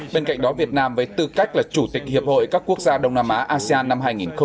bên cạnh đó việt nam với tư cách là chủ tịch hiệp hội các quốc gia đông nam á asean năm hai nghìn hai mươi